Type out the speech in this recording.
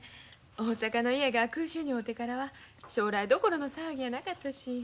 大阪の家が空襲に遭うてからは将来どころの騒ぎやなかったし。